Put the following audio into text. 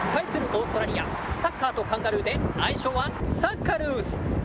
オーストラリア、サッカーとカンガルーで愛称はサッカルーズ。